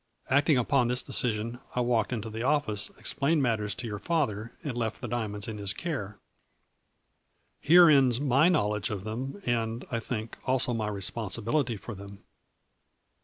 Acting upon this decision, I walked into the office, explained matters to your father and left the diamonds in his care. Here ends my knowledge of them, and, I think, also my responsibility for them."